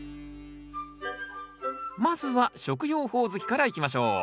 まずは食用ホオズキからいきましょう。